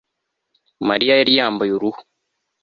Mariya yari yambaye uruhu